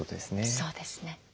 そうですね。